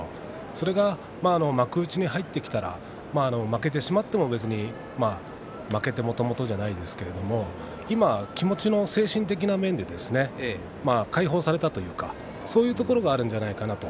それが幕内に入ってから負けてしまっても負けてもともとじゃないですけれども今、気持ちが精神的な面で解放されたというかそういうところがあるんじゃないかなと。